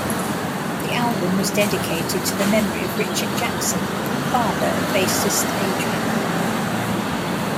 The album was dedicated to the memory of Richard Jackson, father of bassist Adrian.